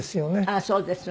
ああそうです。